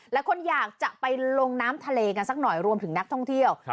หลายคนอยากจะไปลงน้ำทะเลกันสักหน่อยรวมถึงนักท่องเที่ยว